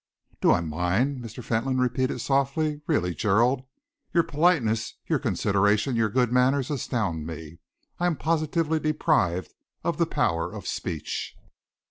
"Do I mind!" Mr. Fentolin repeated softly. "Really, Gerald, your politeness, your consideration, your good manners, astound me. I am positively deprived of the power of speech."